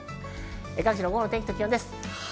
各地の午後の天気です。